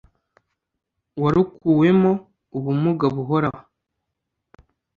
uwarukuwemo ubumuga buhoraho